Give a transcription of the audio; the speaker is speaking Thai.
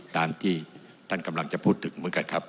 ตามที่ท่านกำลังจะพูดถึงเหมือนกันครับ